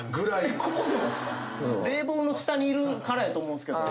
冷房の下にいるからやと思うんすけど。